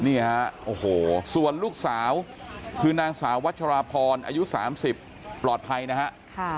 นี่ครับส่วนลูกสาวคือนางสาววัชราพรอายุ๓๐ปลอดภัยนะครับ